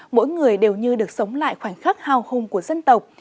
mỗi người đều như được sống lại khoảnh khắc hào hùng của dân tộc